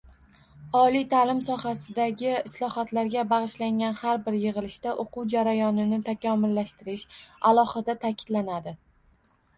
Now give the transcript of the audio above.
Oliy taʼlim sohasidagi islohotlarga bagʻishlangan har bir yigʻilishda oʻquv jarayonini takomillashtirish alohida taʼkidlanadi.